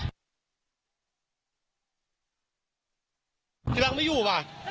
พระบุว่าจะมารับคนให้เดินทางเข้าไปในวัดพระธรรมกาลนะคะ